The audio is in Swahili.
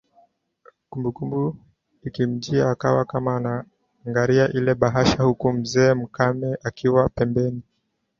Kumbukumbu ikamjia akawa kama anaiangalia ile bahasha huku mze Makame akiwa pembeni